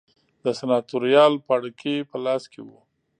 د سناتوریال پاړکي په لاس کې و